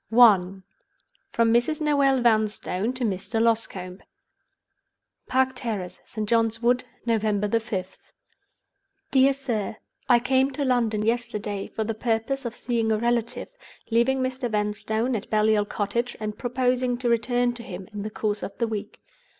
I. From Mrs. Noel Vanstone to Mr. Loscombe. "Park Terrace, St. John's Wood, November 5th. "Dear Sir, "I came to London yesterday for the purpose of seeing a relative, leaving Mr. Vanstone at Baliol Cottage, and proposing to return to him in the course of the week.